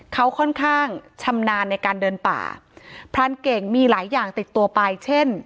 เขาค่อนข้างชำนาญในการเดินป่าพรานเก่งมีหลายอย่างติดตัวไปเช่น